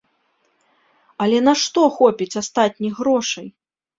Але на што хопіць астатніх грошай?